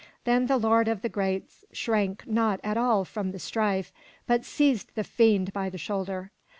Then the lord of the Geats shrank not at all from the strife, but seized the fiend by the shoulder.